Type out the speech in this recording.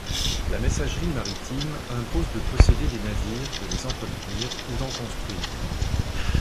La messagerie maritime impose de posséder des navires, de les entretenir ou d'en construire.